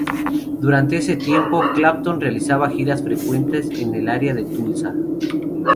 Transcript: Durante ese tiempo, Clapton realizaba giras frecuentes en el área de Tulsa.